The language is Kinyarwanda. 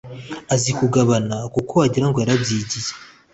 azi kugambana kuko wagirango yarabyigiye